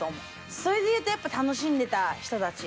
それで言うとやっぱ楽しんでた人たち？